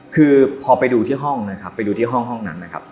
คือพอไปดูที่ห้องนะครับไปดูที่ห้องนั้นนะครับ